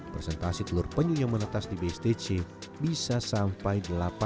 presentasi telur penyu yang menetas di bstc bisa sampai delapan